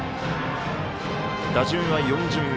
打順は４巡目。